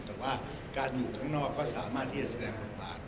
แต่ว่าการอยู่ข้างนอกก็สามารถที่จะแสดงบทบาท